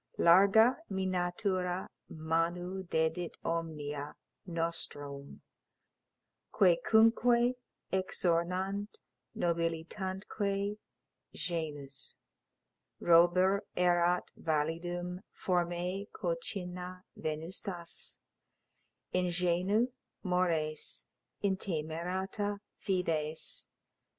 Larga mî natura manu dedit omnia, nostrum Quæcunque exornant nobilitantque genus: Robur erat validum, formæ concinna venustas, Ingenui mores, intemerata fides.